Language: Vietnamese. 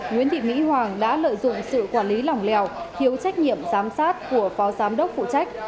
nguyễn thị mỹ hoàng đã lợi dụng sự quản lý lỏng lèo thiếu trách nhiệm giám sát của phó giám đốc phụ trách